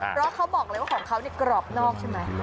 เพราะเขาบอกเลยว่าของเขากรอบนอกใช่ไหม